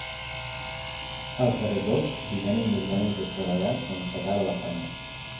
Al peresós, li vénen les ganes de treballar quan s'acaba la feina.